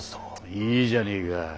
いいじゃねえか。